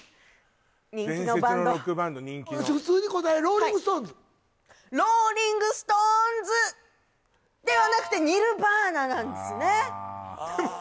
人気のバンド普通に答えるローリング・ストーンズではなくてニルヴァーナなんですね